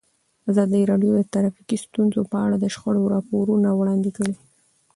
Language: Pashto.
ازادي راډیو د ټرافیکي ستونزې په اړه د شخړو راپورونه وړاندې کړي.